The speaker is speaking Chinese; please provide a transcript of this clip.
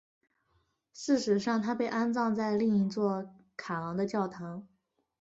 事实上她被安葬在另一座卡昂的教堂。